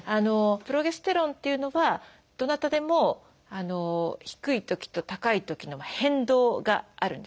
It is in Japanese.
プロゲステロンというのはどなたでも低いときと高いときの変動があるんですね。